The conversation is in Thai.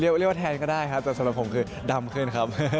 เรียกว่าแทนก็ได้ครับแต่สำหรับผมคือดำขึ้นครับ